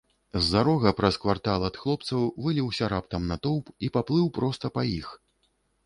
З-за рога, праз квартал ад хлопцаў, выліўся раптам натоўп і паплыў проста па іх.